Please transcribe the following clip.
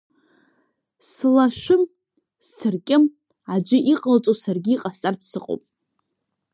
Слашәым, сцыркьым, аӡәы иҟалҵо саргьы иҟасҵартә сыҟоуп.